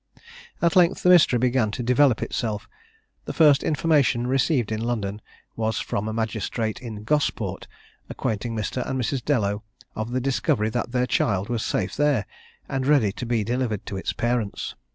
At length the mystery began to develop itself. The first information received in London was from a magistrate in Gosport, acquainting Mr. and Mrs. Dellow of the discovery that their child was safe there, and ready to be delivered to its parents.